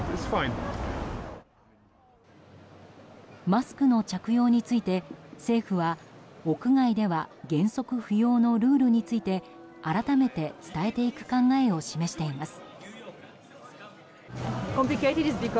マスクの着用について、政府は屋外では原則不要のルールについて改めて伝えていく考えを示しています。